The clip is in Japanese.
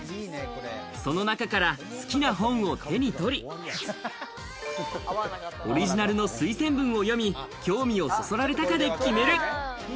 その中から好きな本を手に取り、オリジナルの推薦文を読み、興味をそそられたかで決める。